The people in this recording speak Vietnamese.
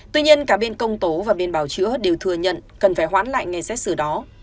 tuy nhiên cả bên công tố và bên bảo chữa đều thừa nhận cần phải hoãn lại ngày xét xử đó